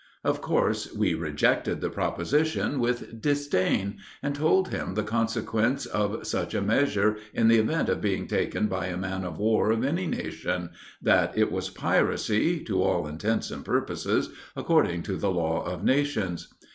Of course, we rejected the proposition with disdain, and told him the consequence of such a measure, in the event of being taken by a man of war of any nation, that it was piracy, to all intents and purposes, according to the law of nations.